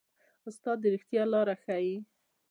استاد د ریښتیا لاره ښيي.